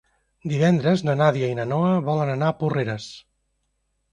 Divendres na Nàdia i na Noa volen anar a Porreres.